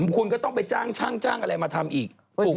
คุณก็ต้องไปจ้างช่างจ้างอะไรมาทำอีก